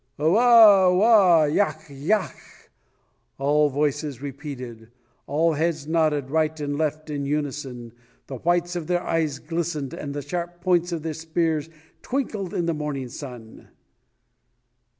"Oa, Oa! Yach, yach!" all voices repeated; all heads nodded right and left in unison, the whites of their eyes glistened, and the sharp points of the spears twinkled in the morning sun.